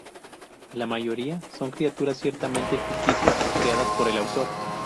La mayoría son criaturas ciertamente ficticias, creadas por el autor.